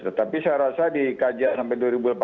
tetapi saya rasa dikajian sampai